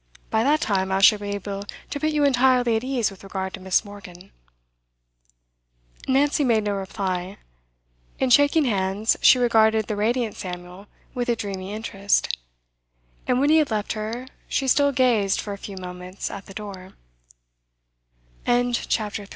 By that time I shall be able to put you entirely at ease with regard to Miss Morgan.' Nancy made no reply. In shaking hands, she regarded the radiant Samuel with a dreamy interest; and when he had left her, she still gazed fo